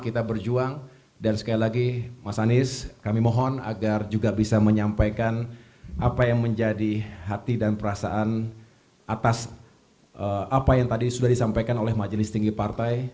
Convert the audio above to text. terima kasih yang disampaikan oleh majelis tinggi partai